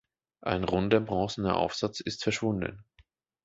Ein runder bronzener Aufsatz ist verschwunden.